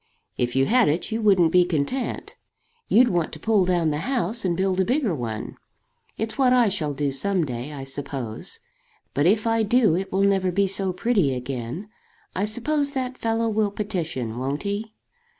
"If you had it you wouldn't be content. You'd want to pull down the house and build a bigger one. It's what I shall do some day, I suppose. But if I do it will never be so pretty again. I suppose that fellow will petition; won't he?"